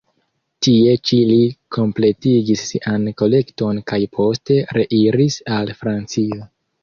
Tie ĉi li kompletigis sian kolekton kaj poste reiris al Francio.